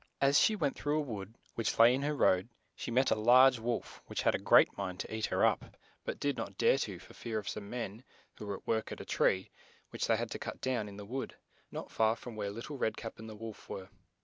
As she went through a wood, which lay in her road, she met a large wolf, which had a great mind to eat her up, but did not dare to, for fear of some men, who were at work at a tree, which they had to cut down, in the wood, not far from where Lit tle Red Cap and the wolf were.